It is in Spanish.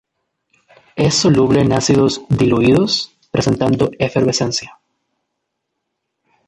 Es soluble en ácidos diluidos, presentando efervescencia.